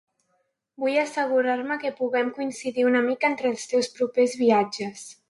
Vull assegurar-me que puguem coincidir una mica entre els teus propers viatges.